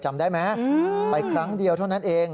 จำได้ไหมไปครั้งเดียวเท่านั้นเอง